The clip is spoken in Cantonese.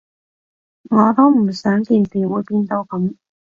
我都唔想件事會變到噉